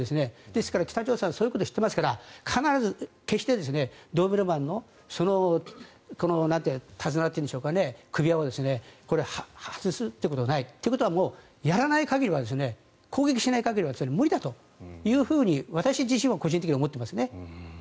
ですから北朝鮮はそういうことを知っていますから必ず決して、ドーベルマンの手綱というか首輪を外すということはない。ということは、やらない限りは攻撃しない限りは無理だというふうに私自身は個人的には思っていますね。